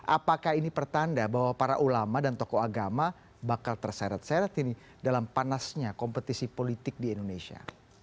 apakah ini pertanda bahwa para ulama dan tokoh agama bakal terseret seret ini dalam panasnya kompetisi politik di indonesia